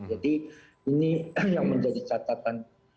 jadi ini yang menjadi catatan